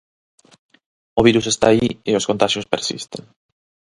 O virus está aí e os contaxios persisten.